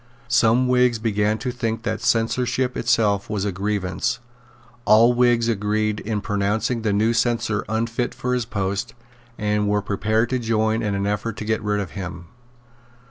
Some Whigs began to think that the censorship itself was a grievance; all Whigs agreed in pronouncing the new censor unfit for his post, and were prepared to join in an effort to get rid of him.